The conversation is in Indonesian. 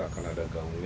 akan ada gaungnya